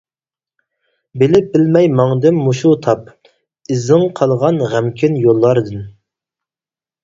بىلىپ-بىلمەي ماڭدىم مۇشۇ تاپ، ئىزىڭ قالغان غەمكىن يوللاردىن.